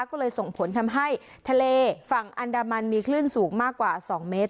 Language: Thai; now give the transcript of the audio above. ก็เลยส่งผลทำให้ทะเลฝั่งอันดามันมีคลื่นสูงมากกว่า๒เมตร